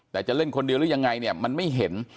แต่จะเล่นคนเดียวหรือยังไงเนี่ยมันไม่เห็น